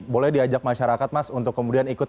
boleh diajak masyarakat mas untuk kemudian ikut